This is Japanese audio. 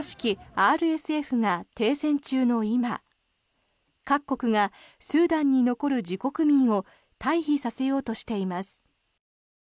ＲＳＦが停戦中の今各国がスーダンに残る自国民を退避させようとしています。